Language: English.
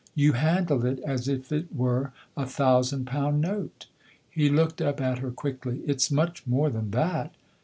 "You handle it as if it were a thousand pound note '" He looked up at her quickly. " It's much more than that.